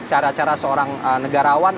cara cara seorang negarawan